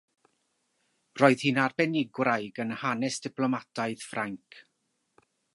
Roedd hi'n arbenigwraig yn hanes diplomataidd Ffrainc.